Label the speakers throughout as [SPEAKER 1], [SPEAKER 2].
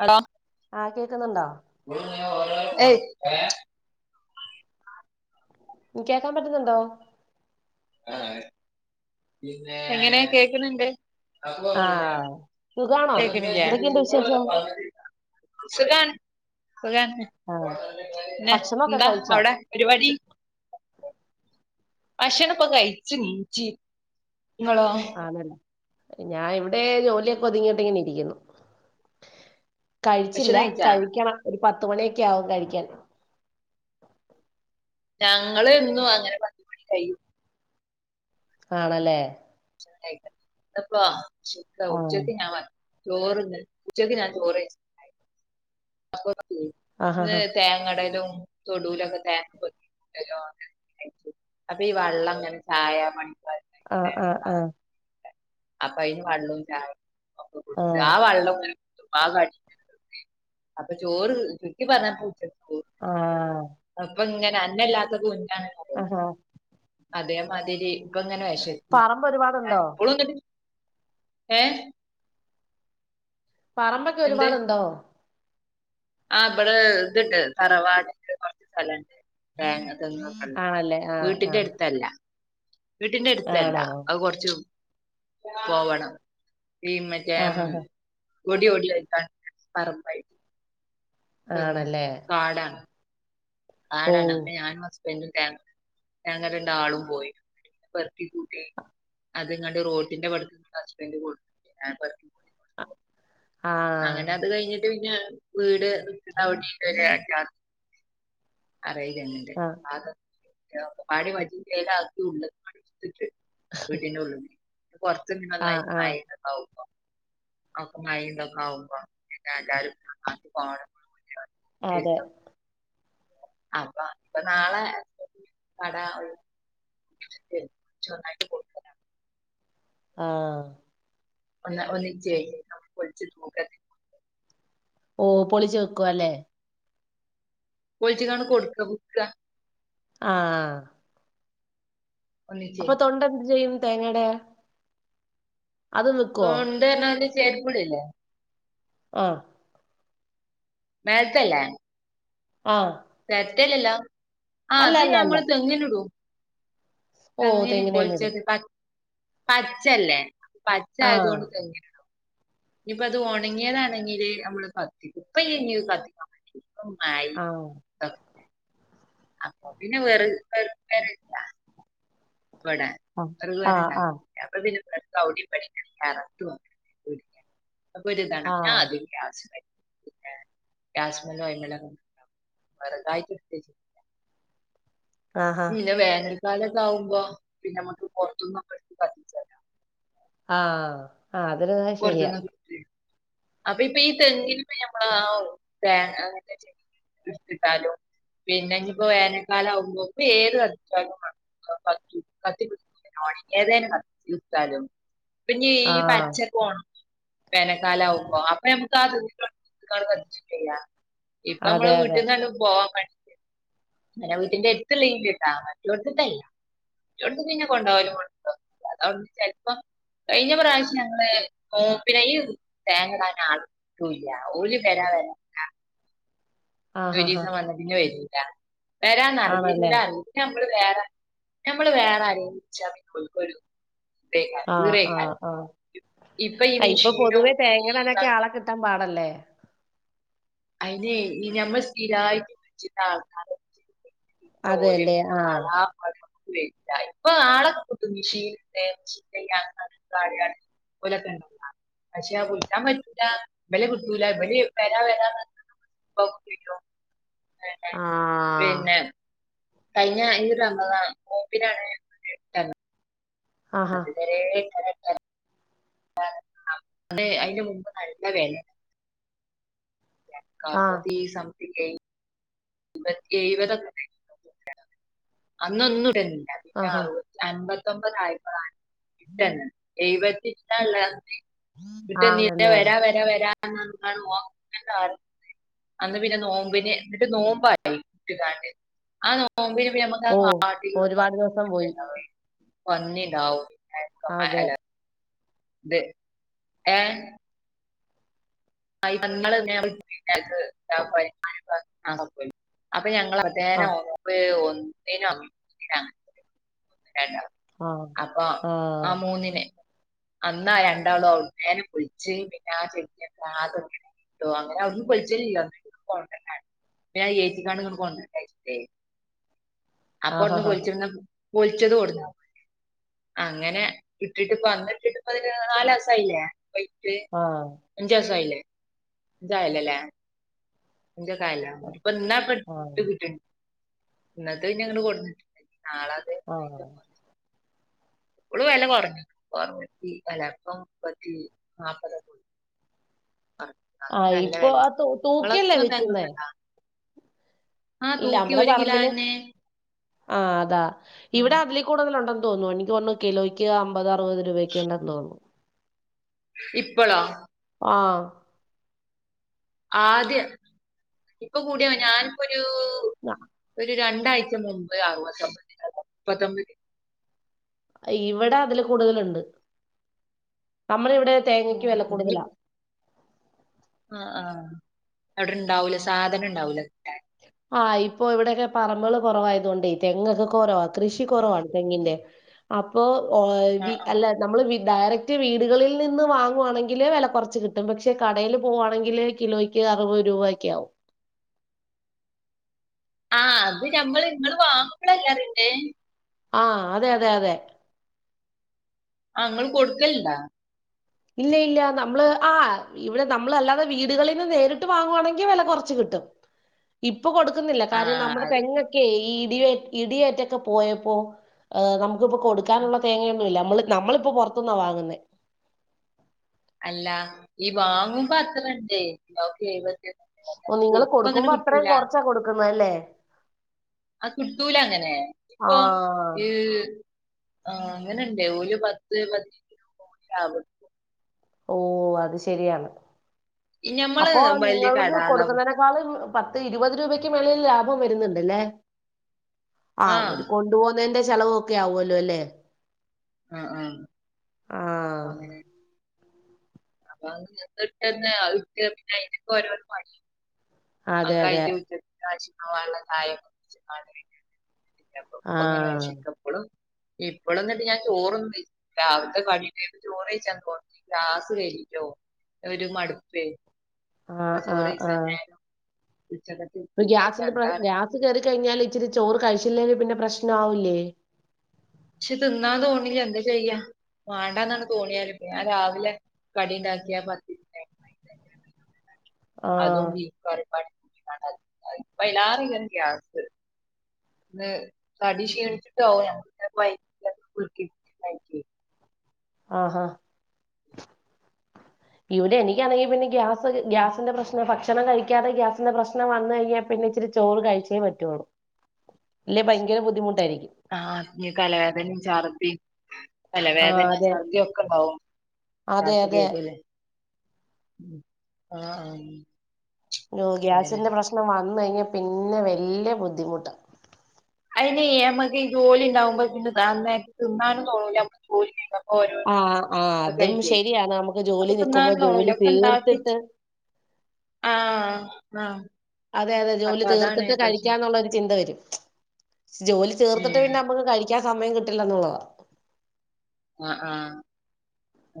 [SPEAKER 1] Hello
[SPEAKER 2] ആഹ കേക്കുന്നുണ്ടോ
[SPEAKER 1] ഏയ്
[SPEAKER 2] കേൾക്കാൻ പറ്റുന്നുണ്ടോ വോ
[SPEAKER 1] ആഹ എങ്ങനെയ കേക്കുന്നുണ്ട് അപ്പൊ പിന്ന
[SPEAKER 2] ആഹ് സുഖാണോ
[SPEAKER 1] കേൾക്ക്‌ണില്ലേ
[SPEAKER 2] എന്തൊക്കെയുണ്ട് വിശേഷം
[SPEAKER 1] [unintelligible] സുഖാണ് സുഖാണ്
[SPEAKER 2] ആഹ്
[SPEAKER 1] ന്നെ
[SPEAKER 2] ഭക്ഷണൊക്കെ
[SPEAKER 1] ന്താ
[SPEAKER 2] കഴിച്ചോ
[SPEAKER 1] അവ്ടെ പരിപാടി ഭക്ഷണ പ്പൊ കഴ്ച്ച് നീച്ച് ങ്ങളോ?
[SPEAKER 2] ആണല്ലേ ഞാൻ ഇവിടെ ജോലിയൊക്കെ ഒതുങ്ങിട്ടി ഇങ്ങനെ ഇരിക്കുന്നു കഴിച്ചില്ല
[SPEAKER 1] ഭക്ഷണം കഴിച്ചാ
[SPEAKER 2] കഴിക്കണം ഒരു പതു മണിയൊക്കെ ആകും കഴിക്കാൻ
[SPEAKER 1] ഞങ്ങള് ഇന്നും അങ്ങനെ പത് മണി കഴിയും
[SPEAKER 2] ആണല്ലേ
[SPEAKER 1] അപ്പശിക്ക
[SPEAKER 2] ആഹ്
[SPEAKER 1] ഉച്ചത്തിഞ വ ചോറ്ന്ന് ഉച്ചക്ക് ഞാൻ ചോറ് കഴിച്ച്
[SPEAKER 2] ആഹ്
[SPEAKER 1] ഇന്ന്
[SPEAKER 2] ആഹ്
[SPEAKER 1] തേങ്ങടലും തൊടുലൊക്കെ തേങ്ങ പോയി [unintelligible] അത് ഈ വെള്ളം ഇങ്ങനെ ചായ പണിക്ക-
[SPEAKER 2] ആഹ് ആഹ് ആഹ്
[SPEAKER 1] അപ്പൊ അയിന് വെള്ളം ചായ ഒക്കെ
[SPEAKER 2] ആഹ്
[SPEAKER 1] കുടിച്ചു ആ വ വെള്ളും ആ വെള്ളം കടി അപ്പൊ ചോറ് ചുരുക്കി പറഞ്ഞാ ഇപ്പോ ഉച്ചയ്ക്ക് [inaudible]
[SPEAKER 2] ആഹ്
[SPEAKER 1] അപ്പൊ ഇങ്ങനെ അന്ന ഇല്ലാത്തത് കുറ്റാണ്ല
[SPEAKER 2] ആഹ് ഹാ
[SPEAKER 1] അതേമാതിരി ഇപ്പങ്ങനെ വിശക്ക
[SPEAKER 2] പറമ്പ് ഒരുപാടുണ്ടോ
[SPEAKER 1] ഇപ്പോളന്നിട്ട ഏ
[SPEAKER 2] പറമ്പൊക്കെ ഒരുപാടുണ്ടോ
[SPEAKER 1] ആഹ് ഇവിടെ ഇത്ണ്ട് തറവാടിൻ്റെ കുറച്ച് സ്ഥലുണ്ട് തേങ്ങ തെങ്ങ് ഒക്കെ ഉണ്ട്
[SPEAKER 2] ആണല്ലേ ആഹ്
[SPEAKER 1] വീട്ടിന്റെ
[SPEAKER 2] ആഹ്
[SPEAKER 1] അടുത്തല്ല വീട്ടിന്റെ അടുത്തല്ല
[SPEAKER 2] ആണോ
[SPEAKER 1] അത് കൊറച്ചും പോവണം ഈ മറ്റേ
[SPEAKER 2] ആഹ് ആഹ്
[SPEAKER 1] ടി ഓടിലക്കാ [inaudible] പറമ്പായി
[SPEAKER 2] ആണല്ലേ
[SPEAKER 1] [unintelligible] കാടാണ്
[SPEAKER 2] ഓ
[SPEAKER 1] കാടാണ് അപ്പൊ ഞാനും ഹസ്ബൻ്റും [unintelligible] അങ്ങനെ രണ്ടാളും പോയി പെർക്കി കൂട്ടി അത്ങ്ങണ്ട് റോഡിന്റെ ഇവടക്ക് ഹസ്ബൻ്റ് കൊടുന്ന് ഞാൻ പെറുക്കി കൂട്ടി
[SPEAKER 2] ആഹ്
[SPEAKER 1] അങ്ങനെ അത് കഴിഞ്ഞിട്ട് പിന്നെ വീട് അവിടെണ്ട് ഒരു അഞ്ചാറ് തെങ്ങ് അറയിന്നണ്ട്ത
[SPEAKER 2] ആഹ്
[SPEAKER 1] പാടി [unintelligible] മജീലക്ക ഉള്ളത് [inaudible] പുറത്ത് നിന്ന് ഉള്ള
[SPEAKER 2] ആഹ് ആഹ്
[SPEAKER 1] [unintelligible] അപ്പ അപ്പമഴയൊക്കെ ആവുമ്പോ പിന്നെ എല്ലാവരും അങ്ങട്ട് പോണം
[SPEAKER 2] അതെ
[SPEAKER 1] [unintelligible] അപ്പൊ ഇപ്പൊ നാളെ കടന്നായിട്ട് [inaudible] പിന്നെ
[SPEAKER 2] ആഹ്
[SPEAKER 1] ഒന്ന് ഒന്നിച്ച് നമുക്ക് പൊളിച്ച് തൂക്കാക്കി നോക്കെ
[SPEAKER 2] ഓ പൊളിച്ച് വെക്കുവ അല്ലേ
[SPEAKER 1] പോളിച്ച് കാണ്ട് കൊടുക്കുക വിക്ക
[SPEAKER 2] ആഹ് ആഹ്
[SPEAKER 1] ഒന്നിച്ചേ
[SPEAKER 2] അപ്പൊ തൊണ്ട് എന്ത് ചെയ്യും തേങ്ങടെ അതും വിക്കോ
[SPEAKER 1] [unintelligible] ചേരിപ്പളില്ലേ
[SPEAKER 2] ഓ
[SPEAKER 1] മേലത്തല്ലേ
[SPEAKER 2] ആഹ്
[SPEAKER 1] ചിരട്ടല്ലല്ലേ ആഹ്
[SPEAKER 2] അല്ല
[SPEAKER 1] അത്
[SPEAKER 2] അല്ല അല്ല
[SPEAKER 1] ഞമ്മള് തെങ്ങിനിടും
[SPEAKER 2] ഓ
[SPEAKER 1] തെങ്ങിന്
[SPEAKER 2] തന്നെ ഇടും
[SPEAKER 1] [inaudible] പച്ചല്ലേ പച്ച ആയത്
[SPEAKER 2] ആഹ്
[SPEAKER 1] കൊണ്ട് തെങ്ങിനിട്ടും ഇനിയിപ്പ അത് ഉണങ്ങിയതാണെങ്കില് നമ്മള് കത്തിക്കും ഇപ്പ ഇനി കത്തിക്ക ഇപ്പം മാരി
[SPEAKER 2] ആഹ്
[SPEAKER 1] [unintelligible] അപ്പൊ പിന്നെ വെറക് ഇവിടെ വിറക്
[SPEAKER 2] ആഹ്
[SPEAKER 1] പെരണ്ടാക്കും
[SPEAKER 2] ആഹ്
[SPEAKER 1] അപ്പൊ പിന്നെ അവിടെ മ്പിടിം [inaudible] പട കറത്ത് വട അപ്പൊ ഒരുതണം
[SPEAKER 2] ആഹ്
[SPEAKER 1] ആ അത് ഗ്യാസ്മ്മെ പിന്നെ [unintelligible] വെറകായിട്ട്
[SPEAKER 2] ആഹ് ആഹാ
[SPEAKER 1] പിന്നെ വേനൽക്കാല ഒക്കെ ആകുമ്പോ പിന്നെ നമ്മുക്ക് പുറത്തുന്നൊക്കെ എടുത്ത് കത്തിച്ചാ മതി
[SPEAKER 2] ആഹ് ആഹ് അതൊരുതാ ശരിയാ
[SPEAKER 1] പുറത്തുനിന്നൊക്കെ എടുത്ത് അപ്പൊ ഇപ്പി ഈ തെങ്ങില ഞമ്മൾ ആ തേങ്ങ സൃഷ്ടിത്താലോ [inaudible] പിന്നെ ഞ്ഞിപ്പൊ വേനൽക്കാലാഉമ്പോ ഇപ്പ ഏത് കത്തിച്ചാലും [unintelligible] കത്തി പിട് ഒണങ്യേതെയ്നു സത്യ [unintelligible] ത്താലും പിന്നെ ഈ
[SPEAKER 2] ആഹ്
[SPEAKER 1] പച്ചക്കോണ് വേനൽക്കാല ആവും ക്കോ അപ്പ നമ്മക്ക് ആ [unintelligible] ഇപ്പ
[SPEAKER 2] അതെ
[SPEAKER 1] മ്മള്
[SPEAKER 2] അതെ
[SPEAKER 1] വീട്ട്ന്നെല്ലും ഭോഒക്കെ ണ്ടാക്കും ങ്ങനെ വീട്ടിന്റെര്ത്ള്ള [unintelligible] ചൊണ്ട് പിന്നെ കൊണ്ട് [unintelligible] ചെൽപ്പം കഴിഞ്ഞ പ്രാവശ്യം ഞങ്ങള് ഓ പിന്നെ ഈദ് തേങ്ങ ഇടാൻ ആൾ കിട്ടൂല്ല ഓല് വരാ വരാ
[SPEAKER 2] ആഹാഹാ
[SPEAKER 1] ഒരീവസം വന്നാ പിന്നെ വരൂല്ല വരാന്ന്
[SPEAKER 2] ആണല്ലേ
[SPEAKER 1] അറിഞ്ഞിക്കൂല്ല അറിഞ്ഞ് ക്ക് നമ്മള് വേറെ ഞമ്മള് വേറെ ആരേങ്കി വിളിച്ചാ പിന്നെ ഓർക്കൊരു
[SPEAKER 2] ആഹ് ആഹ് ആഹ്
[SPEAKER 1] ഈ
[SPEAKER 2] അ ഇപ്പൊ പൊതുവേ തേങ്ങ
[SPEAKER 1] മിഷീനും
[SPEAKER 2] ഇടാനൊക്കെ ആള കിട്ടാൻ പാടല്ലേ
[SPEAKER 1] അയിനെ ഇനി നമ്മൾ സ്ഥിരായിറ്റ് [unintelligible] തോൽ
[SPEAKER 2] അതെല്ലേ ആഹ്
[SPEAKER 1] [unintelligible] ഇപ്പൊ [unintelligible] ഓലൊക്കെ [unintelligible] പക്ഷെ കുഴിച്ചാൻ പറ്റൂല ഇവലെ വീടൂല ഇബല് വരാം വരാന്ന് [unintelligible]
[SPEAKER 2] ആഹ്
[SPEAKER 1] പിന്നെ കഴിഞ ഈ റമദാൻ നോമ്പിനാണ്
[SPEAKER 2] ആഹാ
[SPEAKER 1] വളരേ കറക്റ്റാണ് അതേ അയിൻ്റെ മുമ്പ് നല്ല [unintelligible] ഈ അക്കൗണ്ട്
[SPEAKER 2] ആഹ്
[SPEAKER 1] മതി സംതിങ്ങേ പത്തി എഴ്പതൊക്ക [unintelligible] അന്നൊന്നും ഇടണ്ട പിന്ന
[SPEAKER 2] ആഹാ
[SPEAKER 1] അറുപത് അൻപത്തൊമ്പതായപ്പോഴാണ് കിട്ടെന്നെ എഴുവത്തിചില്ലനള്ളത് ഇട്ട്
[SPEAKER 2] ആണല്ലേ
[SPEAKER 1] [unintelligible] വരാ വരാ വരാ [unintelligible] അന്ന് പിന്നെ നോമ്പിന് ന്നിട്ട് നോമ് [unintelligible] ആ നോമ്പിന് പിന്നെ
[SPEAKER 2] ഓ
[SPEAKER 1] മ്മ
[SPEAKER 2] ഒരുപാട് ദിവസം പോയി
[SPEAKER 1] [unintelligible] പന്നിണ്ടാവോ
[SPEAKER 2] ആതെ
[SPEAKER 1] ദെ ഏഹ് ആയ് നങ്ങള് [unintelligible] അപ്പ ഞങ്ങള പേന
[SPEAKER 2] ആ
[SPEAKER 1] [unintelligible] ഒന്നിനും [unintelligible] വേണ്ട
[SPEAKER 2] ആ
[SPEAKER 1] അപ്പോ
[SPEAKER 2] ആ
[SPEAKER 1] ആഹ് മൂന്നിന് അന്നാ രണ്ടാളും ഔട്ന്നന്നെ കുളിച്ച് പിന്നാ ഷെടിയൊക്കെ ആകെ കേകി ട്ടോ അങ്ങനെ ഒന്നും പൊളിച്ചലില്ലഞ് [unintelligible] ഏച്ചിക്കാണ്ട്ങ്ങട്ട് [unintelligible] അപ്പൊട്ന്ന്
[SPEAKER 2] ആഹഹഹ
[SPEAKER 1] പൊരിച്ച് ടുന്ന പൊൾച്ചതു കൊട്ന്നാ അങ്ങനെ ഇട്ടിട്ട്പ്പ അന്ന് ഇട്ടിട്ട്പ്പ അതിൻ്റെ നാലാസായില്ലേ പോയിട്ട്
[SPEAKER 2] ആഹ്
[SPEAKER 1] അഞ്ചയ്സായില്ലേ അഞ്ചായല്ലല്ലേ അഞ്ചു വെസം ആയല്ലേ ഇപ്പ ഇന്നാ പ്പ ഇട്
[SPEAKER 2] ആ
[SPEAKER 1] ഇട്ട് കിട്ട്ൺ ഇന്നത്തെ ഇനി അങ്ങട്ട് കൊടുത്തിറ്റ് നാള അതെ
[SPEAKER 2] ആഹ്
[SPEAKER 1] ഇപ്പൊള് വെല കൊറഞ്ഞു കൊറഞ്ഞ് കിട്ടി അല്ലേ ഇപ്പം മുപ്പത്തി നാപ്പത് ആണ്
[SPEAKER 2] ആഹ് ഇപ്പൊ ആ തൂക്കിയാ തൂക്കിയല്ലേ വിക്കുന്നേ
[SPEAKER 1] തെങ്ങൊക്കെ ഇണ്ടാ ആഹ്
[SPEAKER 2] ഇല്ല
[SPEAKER 1] തൂക്കി
[SPEAKER 2] അമ്മടെ
[SPEAKER 1] ഒരു
[SPEAKER 2] പറമ്പില്
[SPEAKER 1] കിലോന്നെ
[SPEAKER 2] ആഹ് അതാ
[SPEAKER 1] ഉം
[SPEAKER 2] ഇവിടെ അതില് കൂടുതലൊണ്ടന്ന് തോന്നുന്നു എനിക്ക് തോണ് കിലോക്ക് അമ്പത് അറുപത് രൂപേക്ക ണ്ടെന്ന് തോന്നുന്നു
[SPEAKER 1] ഇപ്പളോ
[SPEAKER 2] ആഹ്.
[SPEAKER 1] ആദ്യ ഇപ്പൊ കൂടിയ ഞാനിപ്പോ ഒരു
[SPEAKER 2] ന്ന്ഹ്
[SPEAKER 1] ഒരു രണ്ടാഴ്ച മുമ്പ് അറുവതൊബതി മുപ്പത്തൊമ്പത്
[SPEAKER 2] ഇവിടെ അതില് കൂടുതല്ണ്ട് നമ്മള് ഇവിടെ തേങ്ങക്ക് വെല കൂടുതലാ
[SPEAKER 1] ആഹ് ആ അവിടെണ്ടാവുലെ സാധനണ്ടാവൂലെ
[SPEAKER 2] ആഹ് ഇപ്പൊ ഇവിടെയൊക്കെ പറമ്പേൾ കൊറവായതുകൊണ്ടേ ഈ തെങ്ങൊക്കെ കൊറവാ കൃഷി കൊറവാണ് തെങ്ങിന്റെ. അപ്പോ ഓ വി അല്ല നമ്മള് ഡയറക്റ്റ് വീടുകളിൽ നിന്ന് വാങ്ങുവാണെങ്കില് വെല കുറച്ച് കിട്ടും പക്ഷെ കടേൽ പോകുവാണെങ്കിൽ കിലോയ് ക്ക്‌ അറുവത് രൂവക്കെ ആവും.
[SPEAKER 1] ആഹ് അത് ഞമ്മൾ ഇങ്ങള് വാങ്ങുബ്ബളല്ലേറുണ്ട്.
[SPEAKER 2] ആഹ് അതെ അതെ അതെ.
[SPEAKER 1] ആ ഇങ്ങൾ കൊട്ക്കൽണ്ട?
[SPEAKER 2] ഇല്ല ഇല്ല നമ്മള് ആഹ്. ഇവിടെ നമ്മൾ അല്ലാതെ വീടുകളിൽ നിന്ന് നേരിട്ട് വാങ്ങുവാണെങ്കിൽ വെല കൊർച്ച് കിട്ടും. ഇപ്പൊ കൊടുക്കുന്നില്ല
[SPEAKER 1] ആ
[SPEAKER 2] കാര്യം നമ്മുടെ
[SPEAKER 1] അത്
[SPEAKER 2] തെങ്ങൊക്കെ ഈ ഇടേ ഇടിയേറ്റൊക്കെ പോയപ്പോ ഏഹ് നമ്ക്കിപ്പൊ കൊടുക്കാൻള്ള തേങ്ങയൊന്നും ഇല്ല നമ്മള് നമ്മളിപ്പൊ പൊർത്ത്ന്നാ വാങ്ങുന്നേ.
[SPEAKER 1] അല്ല ഈ വാങ്ങുംപ അത്രണ്ട് നോക്കിഎയ്
[SPEAKER 2] ഓ നിങ്ങള് കൊടുക്കുമ്പോ അത്രയും കൊറച്ചാ കൊടുക്കുന്നല്ലേ?
[SPEAKER 1] അത് കിട്ടൂല അങ്ങനെ
[SPEAKER 2] ആ
[SPEAKER 1] ഇപ്പൊ [unintelligible] ആ അങ്ങനെണ്ട് ഓല് പത്ത് പതിനഞ് കിലോ ആവും
[SPEAKER 2] ഓ അത് ശരിയാണ്
[SPEAKER 1] ഈ ഞമ്മള് വലിയ
[SPEAKER 2] അപ്പോനിങ്ങക്ക്
[SPEAKER 1] കടാള്ള
[SPEAKER 2] കൊടുക്കുന്നേ ന്നാള് പത്ത് ഇരുപത് രൂപയ്ക്ക് മേളിൽ ലാഭം വരുന്നുണ്ട്ല്ലേ? ആ അവര് കൊണ്ടു പോവുന്നതിന്റെ ചെലവ ഒക്കെ ആവുവല്ലോ ല്ലേ?
[SPEAKER 1] ആഹ് ആഹ്
[SPEAKER 2] ആ
[SPEAKER 1] പ്പങ്ങനെ. അപ്പൊ അ നിന്നിട്ട്ന്നെക്ക് പിന്നെ അതിനൊക്കെ രോരോ പണിയ ആ
[SPEAKER 2] അതെ അതെ
[SPEAKER 1] കഴിക് വിട്ട് രാജവാനുള്ള തായേ കുച്ച് കാണണ്ട് ല്ലപ്പോ
[SPEAKER 2] ആ
[SPEAKER 1] പ്പങ്ങനെയിച്ചീകാ പ്പളും ഇപ്പളും ന്നട്ട് ഞാൻ ചോറൊന്ന് രാവിലെത്തെ കടിൻണ്ടേനു ചോറായ്ച്ചൻ യൊന്നുമില്ല ഗ്യാസ് കേരിട്ടോ ഒരു മട്പ്പേ
[SPEAKER 2] ആ ആ
[SPEAKER 1] ചോറ്
[SPEAKER 2] ആ
[SPEAKER 1] യ്ച്ചാ നേരം ഉച്ചക്ക്
[SPEAKER 2] ഇപ്പൊ ഗ്യാസിന്റെ പ്ര ഗ്യാസ് കേറി കഴിഞ്ഞാൽ ഇച്ചിരി ചോറ് കഴിച്ചില്ലേൽ പിന്നെ പ്രശ്നം ആവില്ലേ?
[SPEAKER 1] ക്ഷേ തിന്നാതോണില്ല എന്ത ചെയ്യ മണ്ടന്നങ്ങു തോന്നിയാല് ഞാൻ രാവിലെ കടിണ്ടാക്കിയാമത്
[SPEAKER 2] ആ
[SPEAKER 1] അതും ബീഫ് കറിപാടി ട്ടിങ്ങഇപ്പൊ എല്ലാര്ക് ഇ കേഗ്യസ് ന്ന് തടി ക്ഷീണിച്ചിട്ടാവ ഞമ്മ്ക്കങ്ങനെ [unintelligible] [inaudible]
[SPEAKER 2] ആഹ് ഹാഹ് ഇവടെ എനിക്കാണെങ്കി പിന്നെ ഗ്യാസ് ഗ്യാസിന്റെ പ്രശ്നം ഭക്ഷണം കഴിക്കാതെ ഗ്യാസിന്റെ പ്രശ്നം വന്നഴിഞ്ഞാൽ പിന്നെചിരി ചോറ് കഴിച്ചേ പറ്റുള്ളൂ ല്ലേ ഭയങ്കര ബുദ്ധിമുട്ടായിരിക്കും.
[SPEAKER 1] ആ അതെനെ തലവേദനയും ചാർധിം
[SPEAKER 2] ആഹ്
[SPEAKER 1] തലവേദന
[SPEAKER 2] അതെ
[SPEAKER 1] ചർദ്യക്കെണ്ടാവും
[SPEAKER 2] അതെ
[SPEAKER 1] ഗാസ്
[SPEAKER 2] അതെ
[SPEAKER 1] കേറിയല്ലേ അഹ് ആഹ്
[SPEAKER 2] ഓ
[SPEAKER 1] അങ്ങനെ
[SPEAKER 2] ഗ്യാസിന്റെ പ്രശ്നം വന്നഴിഞ്ഞാൽ പിന്നെ വെല്യ ബുദ്ധിമുട്ടാ
[SPEAKER 1] അയ്നെ അമ്മക്ക് ഈ ജോലിണ്ടാവുമ്പോ പിന്നെ നന്നായിട്ട് തിന്നാനും തോന്നൂല ജോലി ഓരോര്ന്ന്
[SPEAKER 2] ആഹ് ആഹ് അതും
[SPEAKER 1] അകഴിറ്റെ
[SPEAKER 2] ശരിയാണ് നമുക്ക്
[SPEAKER 1] അപ്പൊ
[SPEAKER 2] ജോലി നിക്കുമ്പോ
[SPEAKER 1] തിന്നാനും
[SPEAKER 2] ജോലി
[SPEAKER 1] തൊന്ന്ല ഒക്കെ
[SPEAKER 2] തീർത്തിട്ട്
[SPEAKER 1] ഉണ്ടാക്കിച്ച് ആഹ് ആഹ്
[SPEAKER 2] അതെ അതെ ജോലി
[SPEAKER 1] അപ്പൊ അതാണ്
[SPEAKER 2] തീർത്തിട്ട്
[SPEAKER 1] പ്രശ്നം
[SPEAKER 2] കഴിക്കാന്നുള്ള ഒരു ചിന്ത വരും ജോലി തീർത്തിട്ട്
[SPEAKER 1] ഉം
[SPEAKER 2] പിന്നെ നമുക്ക് കയ് ക്കാൻ സമയം കിട്ടില്ല എന്നുള്ളതാ
[SPEAKER 1] ആഹ് ആഹ് അ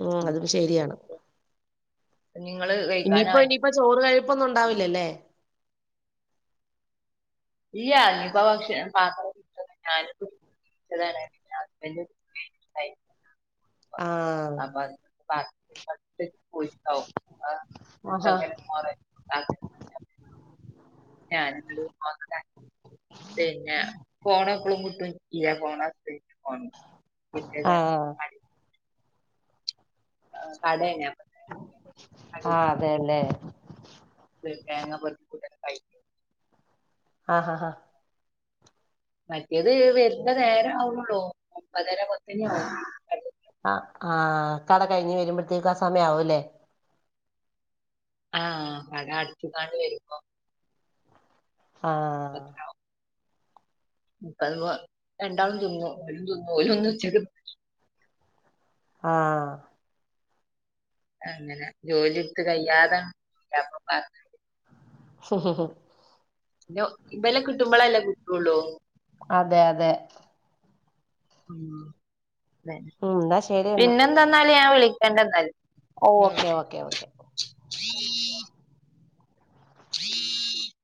[SPEAKER 2] ഉ അതും ശരിയാണ്
[SPEAKER 1] നിങ്ങള്
[SPEAKER 2] ഇനിയിപ്പോ
[SPEAKER 1] കഴിക്കാനായി
[SPEAKER 2] ഇനി പ്പൊ ചോറ് കഴിപ്പൊന്നുംണ്ടാവില്ലല്ലേ?
[SPEAKER 1] ഇല്ലഞ്ഞിപ്പ ഭക്ഷണം [unintelligible] [unintelligible] ഹസ്ബൻഡ് ണ്ടായിര്ന്നു
[SPEAKER 2] ആഹ്
[SPEAKER 1] അപ്പത് [inaudible]
[SPEAKER 2] ആഹ് ഹാ
[SPEAKER 1] ഇതൊക്കെ ഞാന്ണ്ട് നോക്കട്ടെ പിന്നെ ഫോണെപ്പളും കിട്ടും ഇയാ ഫോണാ [inaudible] കിട്ട്യേതാണ്
[SPEAKER 2] ആഹ്
[SPEAKER 1] ആഹ് കടേണ്
[SPEAKER 2] ആഹ് അതെല്ലേ
[SPEAKER 1] ത് തേങ്ങ പെർക്കി കൂട്ടല്
[SPEAKER 2] ആഹ ഹാ
[SPEAKER 1] മറ്റേത് വെർന്ന നേരാവ്ണുള്ളൂ ഒമ്പതര പത്തണ്യാവും
[SPEAKER 2] ആഹ് ആഹ് കട കഴിഞ്ഞ് വരുമ്പോഴത്തേക്കും ആ സമയാവുല്ലേ
[SPEAKER 1] ആഹ് കട അടച്ച്ങ്ങാണ്ട് വര്മ്പോ
[SPEAKER 2] ആഹ്
[SPEAKER 1] കൽവ രണ്ടാളും തുന്നു [unintelligible] ന്നു ഓല്ന്ന് ഉച്ചക്ക്.
[SPEAKER 2] ആഹ്
[SPEAKER 1] അങ്ങനെ ജോലി ഇട്ത്ത് കയ്യാതെപ്പ പറ
[SPEAKER 2] ഹ് ഹ് ഹ്
[SPEAKER 1] ന്നൊ ഇബലെ കിട്ടുമ്പളല്ലെ കിട്ടൊള്ളു
[SPEAKER 2] അതെ അതെ
[SPEAKER 1] ഉം അതെന്നെ
[SPEAKER 2] ഉം എന്നാ ശരി എന്നാ
[SPEAKER 1] പിന്നെന്താന്നാല് ഞാൻ വിളിക്കണ്ട്ന്നാല്
[SPEAKER 2] ഓ
[SPEAKER 1] ഉം
[SPEAKER 2] ഓക്കെ ഓക്കെ ഓക്കെ
[SPEAKER 1] [inaudible]